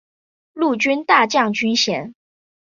陆军大将军衔。